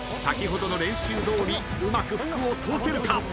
先ほどの練習どおりうまく服を通せるか？